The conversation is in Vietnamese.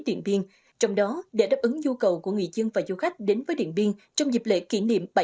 điện biên trong đó để đáp ứng nhu cầu của người dân và du khách đến với điện biên trong dịp lễ kỷ niệm